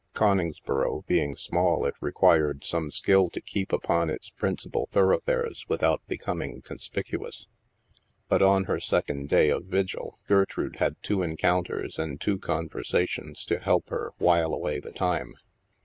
Coningsboro being small, it required some skill to keep upon its principal thoroughfares without be coming conspicuous. But on her second day of vigil, Gertrude had two encounters and two conver sations to help her while away the time.